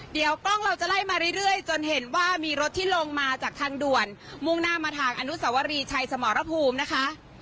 เดี๋ยวกล้องเราจะไล่มาเรื่อยจนเห็นว่ามีรถที่ลงมาจากทางด่วนมุ่งหน้ามาทางอนุสวรีชัยสมรภูมินะคะ